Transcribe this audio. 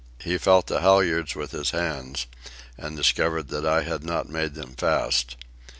He felt the halyards with his hands and discovered that I had not made them fast.